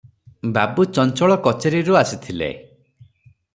ବାବୁ ଚଞ୍ଚଳ କଚେରିରୁ ଆସିଥିଲେ ।